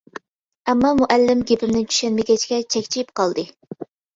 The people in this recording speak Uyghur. ئەمما مۇئەللىم گېپىمنى چۈشەنمىگەچكە چەكچىيىپ قالدى.